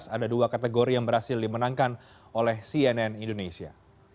ada dua kategori yang berhasil dimenangkan oleh cnn indonesia